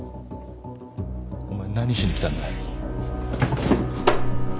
お前何しに来たんだ？